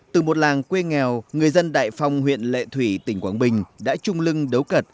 từ một làng quê nghèo người dân đại phong huyện lệ thủy tỉnh quảng bình đã trung lưng đấu cật